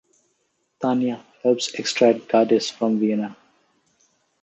Tanya helps extract Gaddis from Vienna.